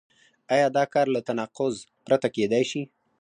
آیا دا کار له تناقض پرته کېدای شي؟